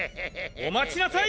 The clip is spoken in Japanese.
お待ちなさい！